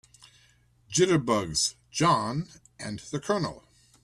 Jitterbugs JOHN and the COLONEL.